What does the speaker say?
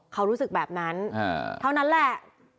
เขารู้สึกแบบนั้นเท่านั้นแหละ